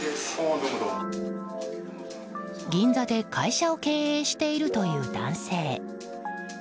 銀座で会社を経営しているという男性。